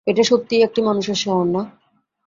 এটা সত্যিই একটা মানুষের শহর, না?